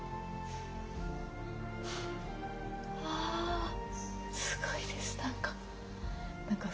わぁすごいです何か。